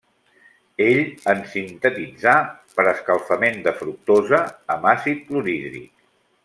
Ell en sintetitzà per escalfament de fructosa amb àcid clorhídric.